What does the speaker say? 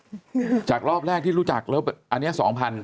หึจากรอบแรกที่รู้จักแล้วอันนี้๒๐๐๐บาท